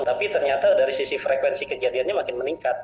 tapi ternyata dari sisi frekuensi kejadiannya makin meningkat